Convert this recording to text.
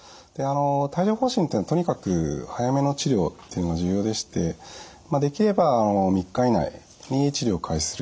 帯状ほう疹っていうのはとにかく早めの治療っていうのが重要でしてできれば３日以内に治療を開始するのがいいと思います。